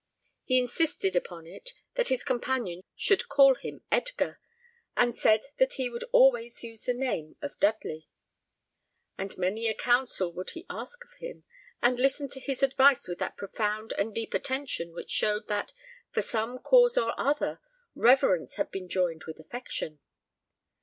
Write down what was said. He insisted upon it that his companion should call him Edgar, and said that he would always use the name of Dudley; and many a counsel would he ask of him, and listen to his advice with that profound and deep attention which showed that, from some cause or other, reverence had been joined with affection.